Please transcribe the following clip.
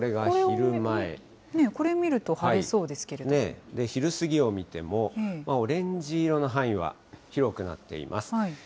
これ見ると、晴れそうですけ昼過ぎを見ても、オレンジ色の範囲は広くなっています。